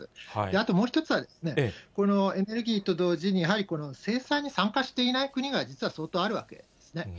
あともう一つは、このエネルギーと同時に、やはり制裁に参加していない国が実は相当あるわけですね。